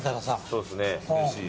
そうですね。